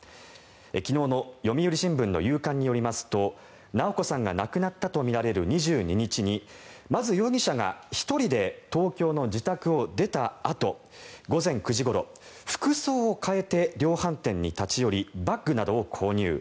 昨日の読売新聞の夕刊によりますと直子さんが亡くなったとみられる２２日にまず容疑者が１人で東京の自宅を出たあと午前９時ごろ服装を変えて量販店に立ち寄りバッグなどを購入。